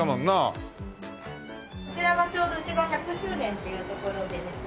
こちらがちょうどうちが１００周年っていうところでですね